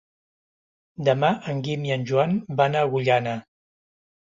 Demà en Guim i en Joan van a Agullana.